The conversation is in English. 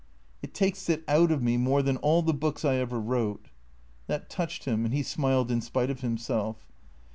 " It takes it out of me more than all the books I ever wrote." That touched him, and he smiled in spite of himself.